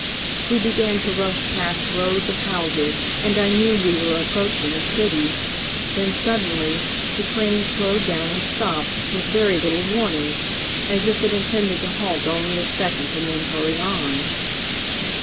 "We began to rush past rows of houses, and I knew we were approaching a city. Then, suddenly, the train slowed down and stopped, with very little warning, as if it intended to halt only a second and then hurry on.